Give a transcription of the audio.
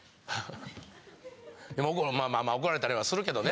まあまあ怒られたりはするけどね。